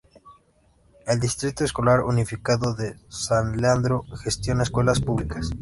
El Distrito Escolar Unificado de San Leandro gestiona escuelas públicas.